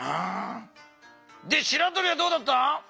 しらとりはどうだった？